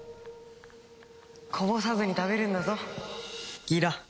こぼさずに食べるんだぞギラ。